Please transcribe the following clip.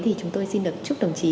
thì chúng tôi xin được chúc đồng chí